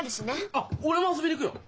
あっ俺も遊びに行くよ！